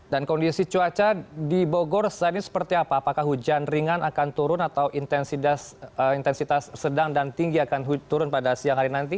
dan kondisi cuaca di bogor saat ini seperti apa apakah hujan ringan akan turun atau intensitas sedang dan tinggi akan turun pada siang hari nanti